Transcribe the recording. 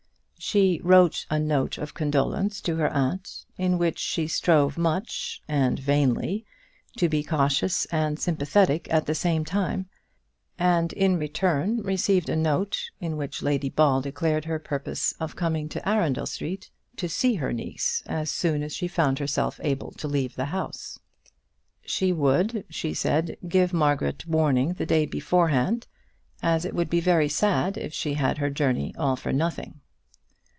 She wrote a note of condolence to her aunt, in which she strove much, and vainly, to be cautious and sympathetic at the same time, and in return received a note, in which Lady Ball declared her purpose of coming to Arundel Street to see her niece as soon as she found herself able to leave the house. She would, she said, give Margaret warning the day beforehand, as it would be very sad if she had her journey all for nothing.